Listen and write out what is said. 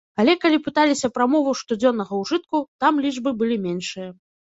Але калі пыталіся пра мову штодзённага ўжытку, там лічбы былі меншыя.